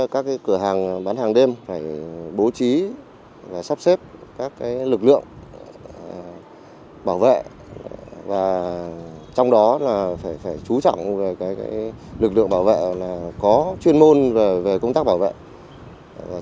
các lực lượng bảo vệ trong đó phải chú trọng lực lượng bảo vệ có chuyên môn về công tác bảo vệ